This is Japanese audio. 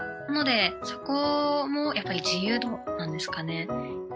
なのでそこもやっぱり自由度なんですかね。